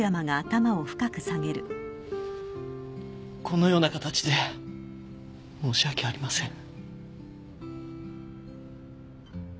このような形で申し訳ありません。